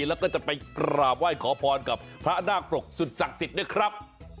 แล้วก็จะไปกราบไหว้ขอพรกับพระนาคปรกสุดศักดิ์สิทธิ์ด้วยครับ